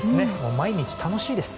毎日、楽しいです。